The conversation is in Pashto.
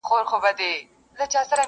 o ځيني يې سخت واقعيت ګڼي ډېر,